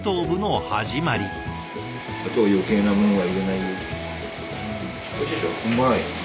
うまい。